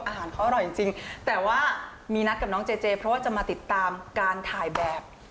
อาหารเขาอร่อยจริงแต่ว่ามีนัดกับน้องเจเจเพราะว่าจะมาติดตามการถ่ายแบบ